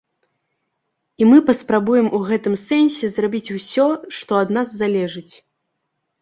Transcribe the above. І мы паспрабуем у гэтым сэнсе зрабіць усё, што ад нас залежыць.